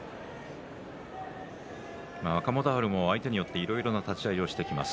若元春も相手によっていろいろな立ち合いをします。